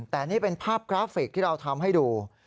แต่นี่เป็นภาพกราฟิกที่เราทำให้ดู